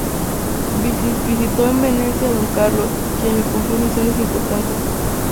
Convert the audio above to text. Visitó en Venecia a Don Carlos, quien le confió misiones importantes.